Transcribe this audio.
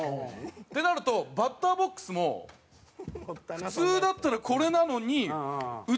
ってなるとバッターボックスも普通だったらこれなのに内側に行って。